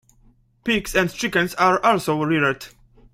Pigs and chickens are also reared.